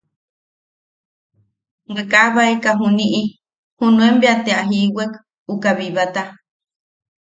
Bwe kabaeka, juniʼi junuen bea te a jiiwek uka bibata.